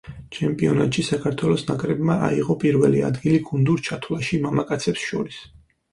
ჩემპიონატში საქართველოს ნაკრებმა აიღო პირველი ადგილი გუნდურ ჩათვლაში მამაკაცებს შორის.